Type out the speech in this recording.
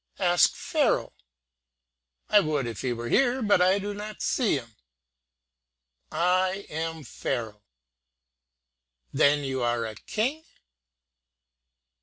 "Ask Pharaoh." "I would if he were here, but I do not see him." "I am Pharaoh." "Then you are a king."